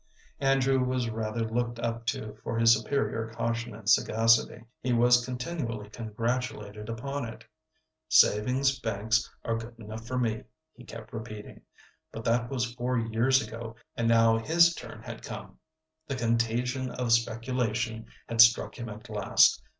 Andrew was rather looked up to for his superior caution and sagacity. He was continually congratulated upon it. "Savings banks are good enough for me," he kept repeating. But that was four years ago, and now his turn had come; the contagion of speculation had struck him at last.